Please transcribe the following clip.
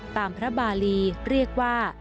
พระบาลีเรียกว่า